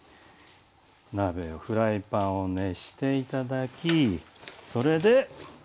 フライパンを熱して頂きそれで。